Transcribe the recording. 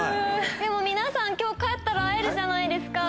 でも皆さん今日帰ったら会えるじゃないですか。